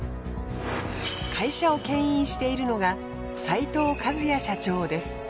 会社をけん引しているのが齋藤一也社長です。